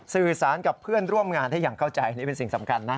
สื่อสารกับเพื่อนร่วมงานได้อย่างเข้าใจนี่เป็นสิ่งสำคัญนะ